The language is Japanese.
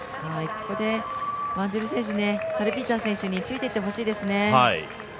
ここでワンジル選手、サルピーター選手について行ってほしいですね。